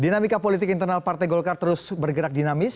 dinamika politik internal partai golkar terus bergerak dinamis